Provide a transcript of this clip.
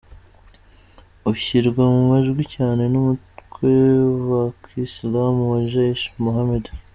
Ushyirwa mu majwi cyane ni umutwe wa kisilamu wa Jaish-e-Mohammed.